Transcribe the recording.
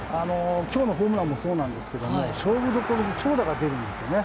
今日のホームランもそうなんですけど勝負所で長打が出るんですよね。